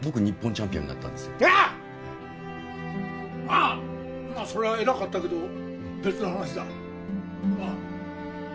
まあまあそれは偉かったけど別の話だ。